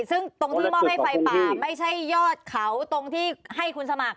ซึ่งตรงที่มอบให้ไฟป่าไม่ใช่ยอดเขาตรงที่ให้คุณสมัคร